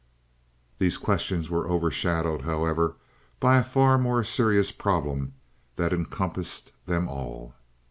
"These questions were overshadowed, however, by a far more serious problem that encompassed them all.